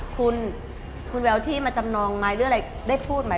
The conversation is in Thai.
คุณคุณแววที่มาจำนองไหมหรืออะไรได้พูดไหม